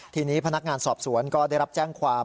ทีนี้พนักงานสอบสวนก็ได้รับแจ้งความ